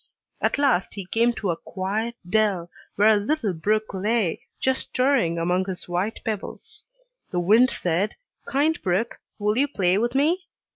At last he came to a quiet dell, where a little brook lay, just stirring among his white pebbles. The wind said, "Kind brook, will you play with me?"